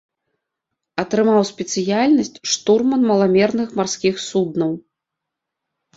Атрымаў спецыяльнасць штурман маламерных марскіх суднаў.